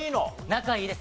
仲いいです